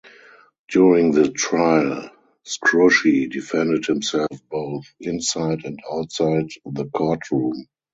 During the trial, Scrushy defended himself both inside and outside the courtroom.